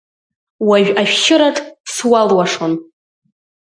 Уажә ашәшьыраҿ суалуашон…